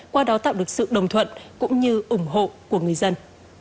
qua đó tạo được sự đồng thuận cũng như ủng hộ của người dân